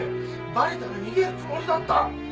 バレたら逃げるつもりだった！」